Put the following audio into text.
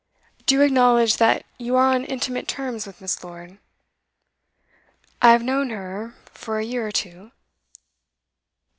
'Do you acknowledge that you are on intimate terms with Miss. Lord?' 'I have known her for a year or two.